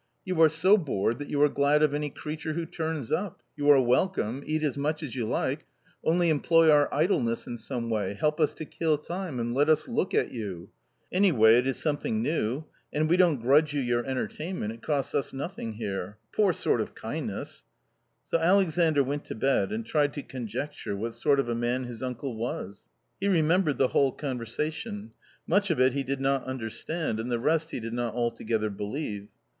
You are so bored that you are glad of any creature who turns up :— you are welcome, eat as much as you like, only employ our idleness in some way, help us to kill time, and let us look at you ; any way it is something new ; and we don't grudge you your entertainment ; it costs us nothing here. A poor sort of kindheartedness !" So Alexandr went to bed and tried to conjecture what sort of a man his uncle was. He remembered the whole conversation ; much of it he did not understand, and the rest he did not altogether believe.